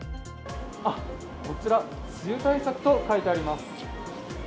こちら梅雨対策と書いてあります。